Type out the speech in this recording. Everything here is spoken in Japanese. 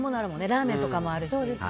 ラーメンとかもあるし。